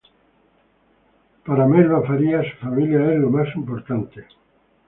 Para Melba Farías su familia es lo más importante.